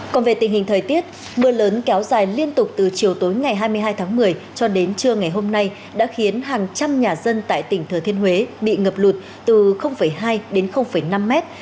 còn về tình hình thời tiết mưa lớn kéo dài liên tục từ chiều tối ngày hai mươi hai tháng một mươi cho đến trưa ngày hôm nay đã khiến hàng trăm nhà dân tại tỉnh thừa thiên huế bị ngập lụt từ hai đến năm mét